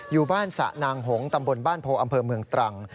อยู่บ้านสระนางหงตำบลบ้านโพอำเภอเมืองตรัง